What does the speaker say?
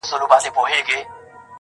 زه چي کور ته ورسمه هغه نه وي.